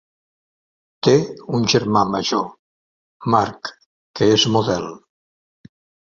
Té un germà major, Mark, que és model.